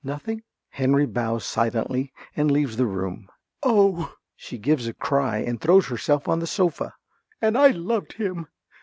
_) Nothing? (Henry bows silently and leaves the room.) Oh! (She gives a cry and throws herself on the sofa.) And I loved him!